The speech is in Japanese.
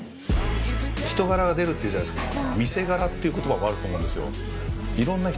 人柄が出るっていうじゃないですか。